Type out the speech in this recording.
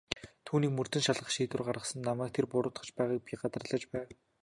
Түүнийг мөрдөн шалгах шийдвэр гаргасанд намайг тэр буруутгаж байгааг би гадарлаж байв.